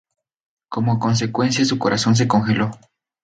Como consecuencia su corazón se congeló.